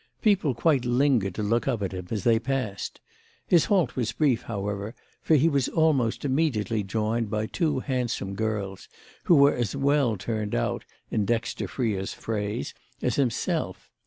People quite lingered to look up at him as they passed. His halt was brief, however, for he was almost immediately joined by two handsome girls, who were as well turned out, in Dexter Freer's phrase, as himself.